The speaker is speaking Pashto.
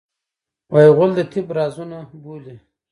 غول د طب رازونه بولي.